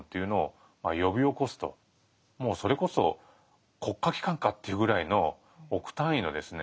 もうそれこそ国家機関かっていうぐらいの億単位のですね